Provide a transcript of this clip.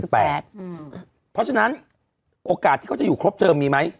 เพราะฉะนั้นโอกาสที่เขาจะอยู่ครบเทอมมีไหม